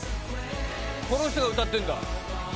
この人が歌ってるんだ。